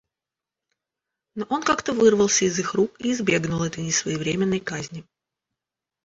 Но он как-то вырвался из их рук и избегнул этой несвоевременной казни.